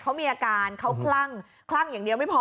เขามีอาการเขาคลั่งคลั่งอย่างเดียวไม่พอ